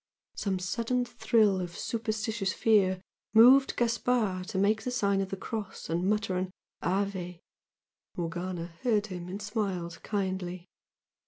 Some sudden thrill of superstitious fear moved Gaspard to make the sign of the cross and mutter an "Ave," Morgana heard him and smiled kindly.